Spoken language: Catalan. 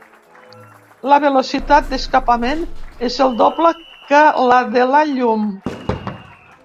La velocitat d'escapament és el doble que la de la llum.